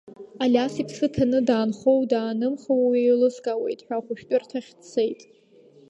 Алиас иԥсы ҭаны даанхауоу, даанымхауоу еилыскаауеит ҳәа ахәшәтәырҭахь дцеит.